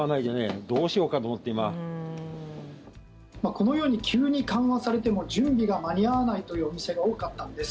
このように急に緩和されても準備が間に合わないというお店が多かったんです。